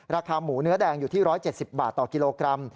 ราคาหมูเนื้อแดงอยู่ที่๑๗๐บาทต่อกิโลกรัม